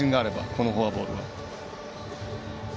このフォアボールは。